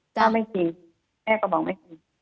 ถ้าไม่จริงแม่ก็บอกไม่จริง